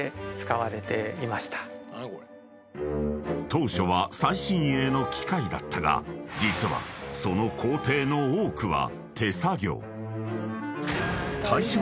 ［当初は最新鋭の機械だったが実はその工程の多くは］